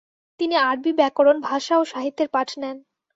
তিনি আরবি ব্যকরণ, ভাষা ও সাহিত্যের পাঠ নেন।